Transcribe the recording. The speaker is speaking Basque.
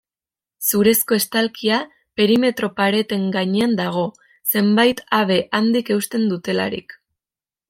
Zurezko estalkia perimetro-pareten gainean dago, zenbait habe handik eusten dutelarik.